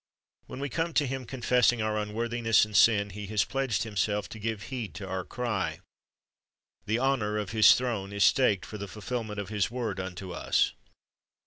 "^ When we come to Him confessing our unvvorthiness and sin, He has pledged Himself to give heed to our cry. The honor of His throne is staked for the fulfilment of His word unto us.